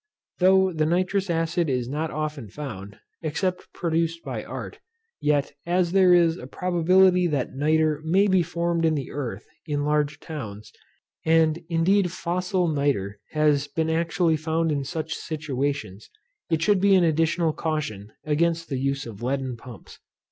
Though the nitrous acid is not often found, except produced by art, yet as there is a probability that nitre may be formed in the earth in large towns, and indeed fossile nitre has been actually found in such situations, it should be an additional caution against the use of leaden pumps.